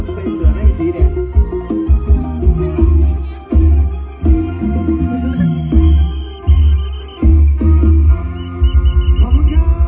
โปรดติดตามตอนต่อไป